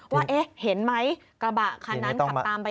ว่าเห็นไหมกระบะคันนั้นขับตามไปยังไงต่อ